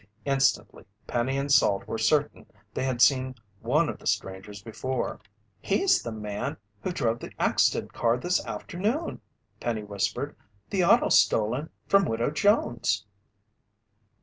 Instantly Penny and Salt were certain they had seen one of the strangers before. "He's the man who drove the accident car this afternoon!" Penny whispered. "The auto stolen from Widow Jones!"